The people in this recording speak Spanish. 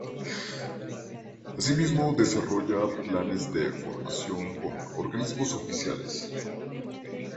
Asimismo, desarrolla planes de formación con Organismos Oficiales.